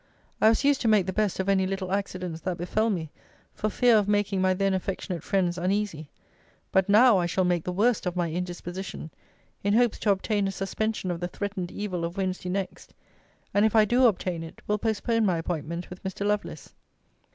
I was used to make the best of any little accidents that befel me, for fear of making my then affectionate friends uneasy: but now I shall make the worst of my indisposition, in hopes to obtain a suspension of the threatened evil of Wednesday next. And if I do obtain it, will postpone my appointment with Mr. Lovelace.